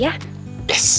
yang berhasil buat